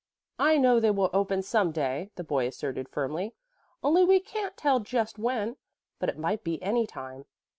"I know they will open some day," the boy asserted firmly, "only we can't tell just when; but it might be any time.